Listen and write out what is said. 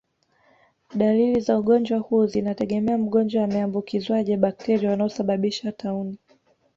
Dalili za ugonjwa huu zinategemea mgonjwa ameambukizwaje bakteria wanaosababisha tauni